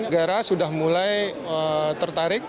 negara sudah mulai tertarik